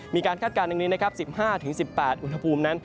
มีการคาดการณ์อย่างนี้๑๕๑๘อุณหภูมินั้น